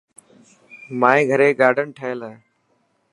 مائي گهري گارڊن ٺهيل هي.